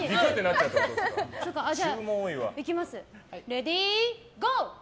レディーゴー！